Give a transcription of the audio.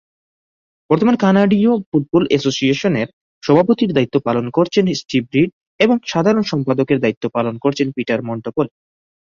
বর্তমানে কানাডীয় ফুটবল অ্যাসোসিয়েশনের সভাপতির দায়িত্ব পালন করছেন স্টিভ রিড এবং সাধারণ সম্পাদকের দায়িত্ব পালন করছেন পিটার মন্টোপোলি।